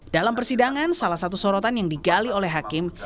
dalam persidangan salah satu sorotan yang digali oleh hakim